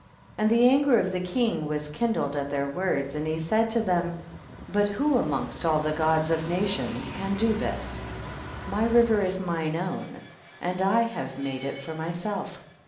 51 . And the anger of the king was kindled at their words, and he said to them, but who amongst all the Gods of nations can do this ? my* river is mine own, and I have made it for myself.